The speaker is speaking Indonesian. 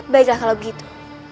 baiklah kalau begitu